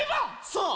そう！